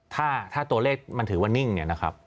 ถ้าตัวเลขมันถือว่านิ่งเนี่ยนะครับ